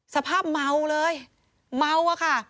สภาพเมาเลยเมาอะค่ะ